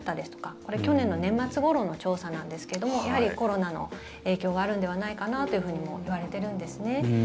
これ、去年の年末ごろの調査なんですけれどもやはり、コロナの影響があるのではないかなともいわれているんですね。